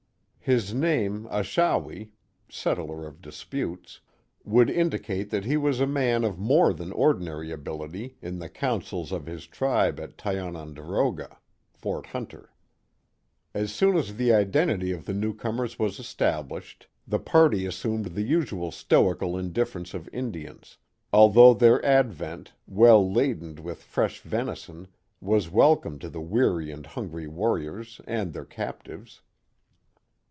His name, Achawi (settler of disputes), would indicate that he was a man of more than ordinary ability in the councils of his tribe at Tiononderoga (Fort Hunter). As soon as the identity of the newcomers was established, the party assumed the usual stoical indifference of Indians, al though their advent, well ladened with fresh venison, was wel come to the weary and hungry warriors and their captives.